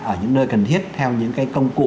ở những nơi cần thiết theo những cái công cụ